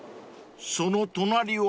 ［その隣は？］